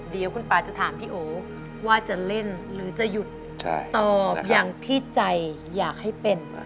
เดี๋ยวคุณป่าจะถามพี่โอว่าจะเล่นหรือจะหยุดตอบอย่างที่ใจอยากให้เป็น